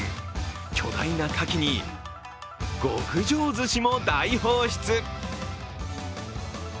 巨大なかきに、極上ずしも大放出。